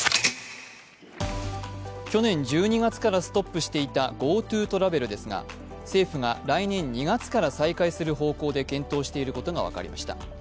去年１２月からストップしていたＧｏＴｏトラベルですが、政府が来年２月から再開する方向で検討していることが分かりました。